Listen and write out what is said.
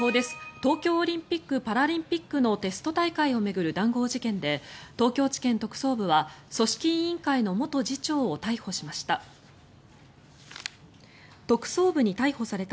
東京オリンピック・パラリンピックのテスト大会を巡る談合事件で東京地検特捜部は組織委員会の元次長を逮捕しました。